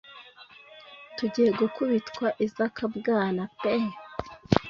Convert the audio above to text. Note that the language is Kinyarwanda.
tugiye gukubitwa izakabwana pe